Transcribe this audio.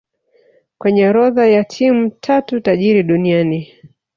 kwenye orodha ya timu tatu tajiri duniani